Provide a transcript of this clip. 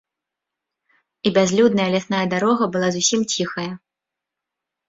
І бязлюдная лясная дарога была зусім ціхая.